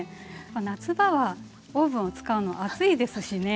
夏場はオーブンを使うの暑いですしね。